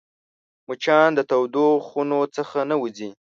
مچان د تودو خونو څخه نه وځي